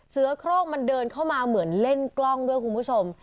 เสือโครงมันเดินเข้ามาเหมือนเล่นกล้องด้วยคุณผู้ชม